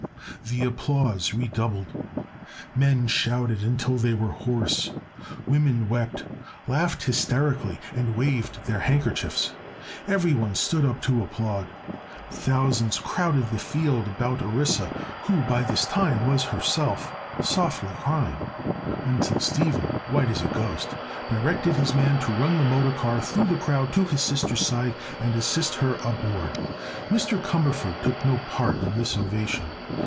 The applause redoubled; men shouted until they were hoarse; women wept, laughed hysterically and waved their handkerchiefs; everyone stood up to applaud; thousands crowded the field about Orissa, who by this time was herself softly crying, until Stephen, white as a ghost, directed his man to run the motor car through the crowd to his sister's side and assist her aboard. Mr. Cumberford took no part in this ovation.